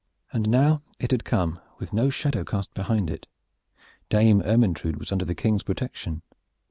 And now it had come with no shadow cast behind it. Dame Ermyntrude was under the King's protection.